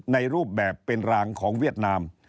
ในรูปแบบเป็นรางของเวียดนาม